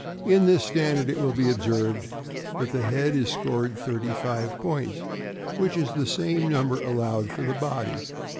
In this standard it will be observed that the head is scored thirty five points, which is the same number allowed for the body.